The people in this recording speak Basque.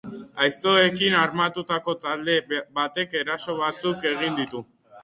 Aiztoekin armatutako talde batek eraso batzuk egin ditu.